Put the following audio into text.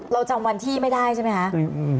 เราจำวันที่ไม่ได้ใช่ไหมคะ